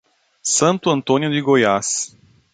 Santo Antônio de Goiás